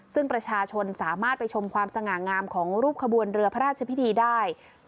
ซึ่งประชาชนสามารถไปชมความสง่างามของรูปขบวนเรือพระราชพิธีได้